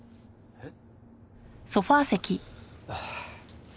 えっ？